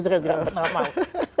saya nggak pernah mau